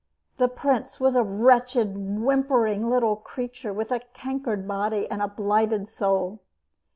The prince was a wretched, whimpering little creature, with a cankered body and a blighted soul.